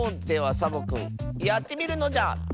ではサボくんやってみるのじゃ。